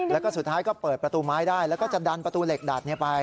แล้วก็สุดท้ายก็เปิดประตูไม้ได้แล้วก็จะดันประตูเหล็กดัดไป